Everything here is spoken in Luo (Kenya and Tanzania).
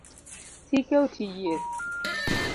Tike oti yier